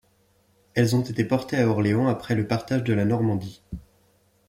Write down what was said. Elles ont été portées à Orléans après le partage de la Normandie.